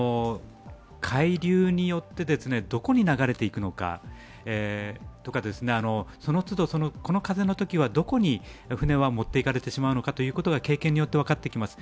海流によってどこに流れていくのかとかですねその都度、この風のときは船はどこに持っていかれてしまうのか、経験によって分かってきます。